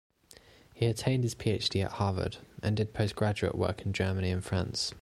He attained his PhD at Harvard, and did postgraduate work in Germany and France.